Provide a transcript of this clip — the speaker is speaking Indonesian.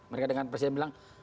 mereka dengan presiden bilang